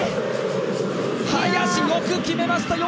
林、よく決めました。